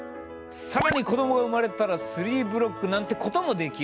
更に子どもが生まれたら３ブロックなんてこともできる。